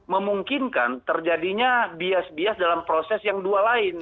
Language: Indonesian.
memungkinkan terjadinya bias bias dalam proses yang dua lain